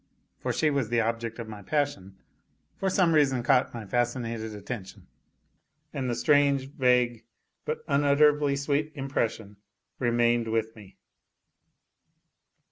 (for she was the object of my passion) for some reason caught my fascinated attention ; and the strange vague, but unutterably sweet impression remained with me.